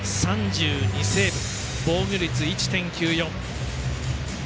３２セーブ、防御率１．９４。